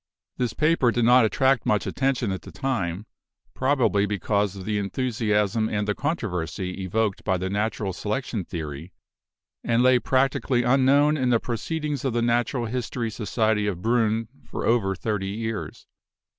This paper did not attract much attention at the time, probably be cause of the enthusiasm and the controversy evoked by the natural selection theory, and lay practically unknown in the Proceedings of the Natural History Society of Briinn for over thirty years.